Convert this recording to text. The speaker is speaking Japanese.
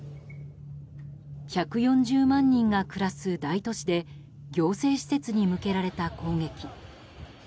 １４０万人が暮らす大都市で行政施設に向けられた攻撃。